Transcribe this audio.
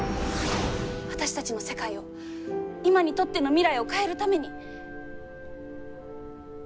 私たちの世界を今にとっての未来を変えるために。